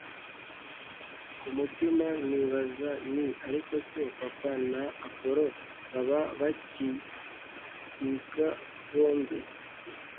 kumutima nkibaza nti ariko se! papa na appolo baba bahigiriki ka bobi